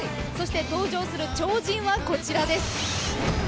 登場する超人はこちらです。